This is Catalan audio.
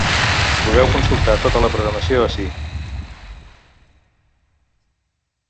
Podeu consultar tota la programació ací.